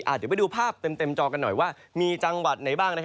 เดี๋ยวไปดูภาพเต็มจอกันหน่อยว่ามีจังหวัดไหนบ้าง